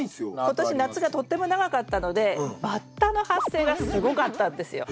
今年夏がとっても長かったのでバッタの発生がすごかったんですよ。